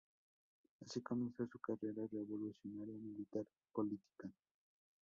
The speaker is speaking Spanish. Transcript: Así comenzó su carrera revolucionaria, militar y política.